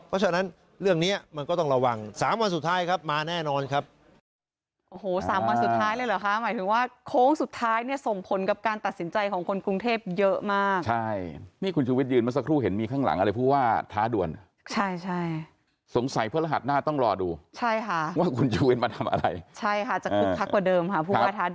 เพราะฉะนั้นเรื่องนี้มันก็ต้องระวัง๓วันสุดท้ายครับมาแน่นอนครับ